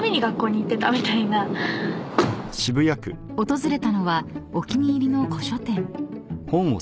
［訪れたのはお気に入りの古書店］